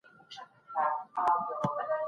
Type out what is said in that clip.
موږ به پر کومه ځو ملاجانه